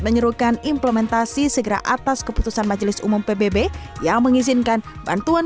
menyerukan implementasi segera atas keputusan majelis umum pbb yang mengizinkan bantuan